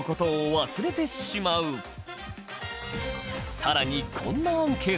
更にこんなアンケートも。